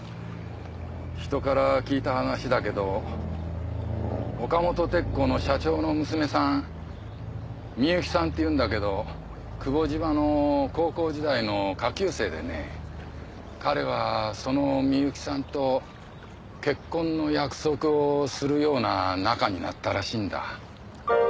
人から聞いた話だけど岡本鉄工の社長の娘さん深雪さんっていうんだけど久保島の高校時代の下級生でね彼はその深雪さんと結婚の約束をするような仲になったらしいんだ。